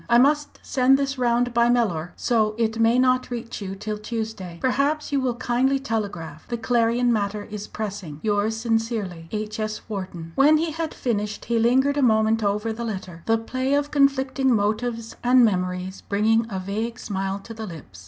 "I must send this round by Mellor, so it may not reach you till Tuesday. Perhaps you will kindly telegraph. The Clarion matter is pressing. "Yours sincerely, "H.S. WHARTON." When he had finished he lingered a moment over the letter, the play of conflicting motives and memories bringing a vague smile to the lips.